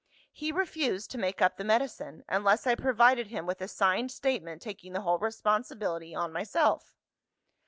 He refused to make up the medicine, unless I provided him with a signed statement taking the whole responsibility on myself.